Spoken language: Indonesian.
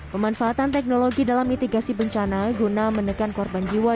pemanfaatan teknologi dalam mitigasi bencana guna menekan korban jiwa